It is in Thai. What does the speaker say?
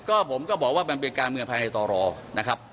ก็ผมก็บอกว่ามันเป็นการเมืองภายในต่อรอนะครับ